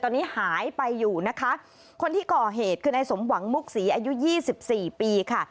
ตอนนี้หายไปอยู่นะคะคนที่ก่อเหตุคือนายสมหวังมุกศรีอายุยี่สิบสี่ปีค่ะ